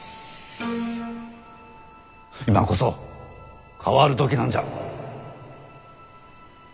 今こそ変わる時なんじゃ。